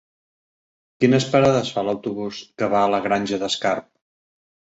Quines parades fa l'autobús que va a la Granja d'Escarp?